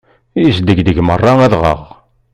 Yesdegdeg merra adɣaɣ.